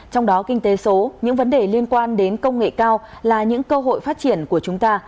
trong đó kinh tế số những vấn đề liên quan đến công nghệ cao là những cơ hội phát triển của chúng ta